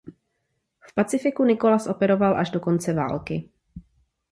V Pacifiku "Nicolas" operoval až do konce války.